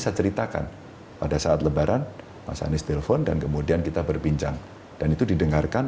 saya ceritakan pada saat lebaran mas anies telepon dan kemudian kita berbincang dan itu didengarkan